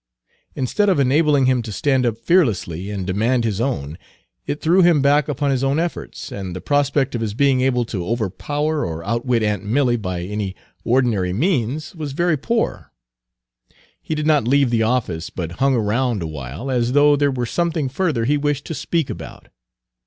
Instead of enabling him to stand up fearlessly and demand his own, it threw him back upon his own efforts; and the prospect of his being able to overpower or outwit aunt Milly by any ordinary means was very poor. He did not leave the office, but hung around awhile as though there were something further he wished to speak about.